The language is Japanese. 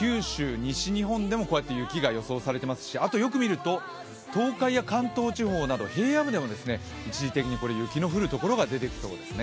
西日本でも雪が予想されてますしあとよく見ると、東海や関東地方など平野部でも一時的に雪の降るところが出てきそうですね。